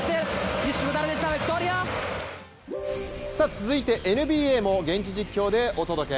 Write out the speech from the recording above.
続いてＮＢＡも現地実況でお届け。